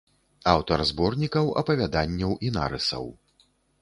Аўтар зборнікаў апавяданняў і нарысаў.